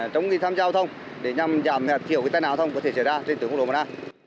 trong khi tham gia hòa thông để nhằm giảm hiểu cái tên hòa thông có thể trở ra trên tuyến quốc lộ một a